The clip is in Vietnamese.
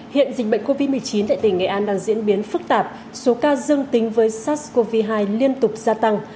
hiện dịch bệnh covid một mươi chín tại tỉnh nghệ an đang diễn biến phức tạp số ca dương tính với sars cov hai liên tục gia tăng